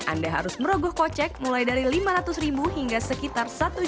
anda harus merogoh kocek mulai dari lima ratus ribu hingga sekitar satu juta rupiah